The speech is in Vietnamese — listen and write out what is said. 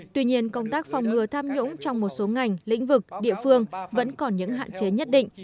tuy nhiên công tác phòng ngừa tham nhũng trong một số ngành lĩnh vực địa phương vẫn còn những hạn chế nhất định